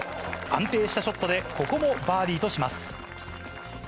安定したショットで、ここもバーディーとします。